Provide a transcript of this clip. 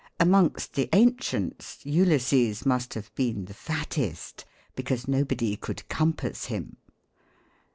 Amongst the ancients, Ulysses must have been the fattest, because nobody could compass him.